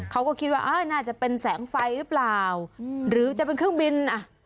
เขาก็คิดว่าน่าจะเป็นแสงไฟหรือเปล่าหรือจะเป็นเครื่องบินอ่ะ